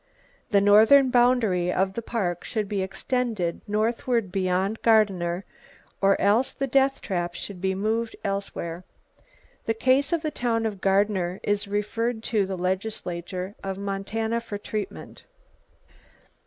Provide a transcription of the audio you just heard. The northern boundary of the Park should be extended northward beyond Gardiner, or else the deathtrap should be moved elsewhere. The case of the town of Gardiner is referred to the legislature of Montana for treatment.